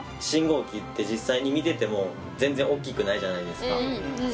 信号機って実際に見てても全然おっきくないじゃないですか。